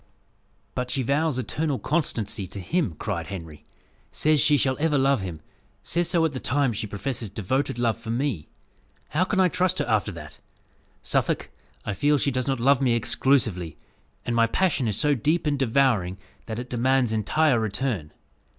"But she vows eternal constancy to him!" cried Henry; "says she shall ever love him says so at the time she professes devoted love for me! How can I trust her after that? Suffolk, I feel she does not love me exclusively; and my passion is so deep and devouring, that it demands entire return.